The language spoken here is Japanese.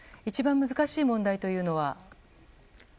一番難しい問題というのは？